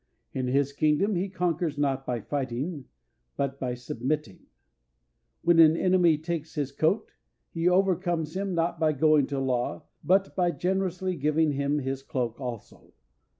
In his kingdom he conquers not by fighting, but by submitting. When an enemy takes his coat, he overcomes him, not by going to law, but by generously giving him his cloak also.